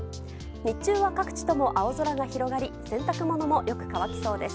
日中は各地とも青空が広がり洗濯物もよく乾きそうです。